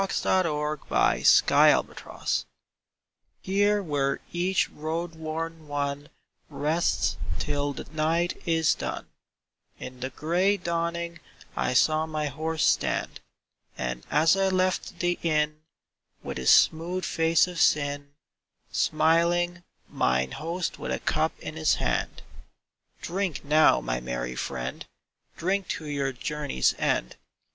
Vigils THE STIRRUP CUP Here where each road worn one Rests till the night is done, In the grey dawning I saw my horse stand, And as I left the inn With his smooth face of sin Smiling, mine host with a cup in his hand. *'Drink now, my merry friend, Drink to your journey's end.